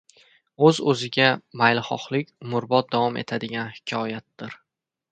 O‘z-o‘ziga mahliyolik umrbod davom etadigan hikoyatdir.